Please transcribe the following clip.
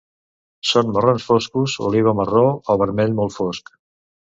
Són marrons foscos, oliva marró o vermell molt fosc.